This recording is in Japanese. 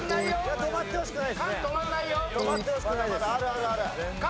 止まってほしくない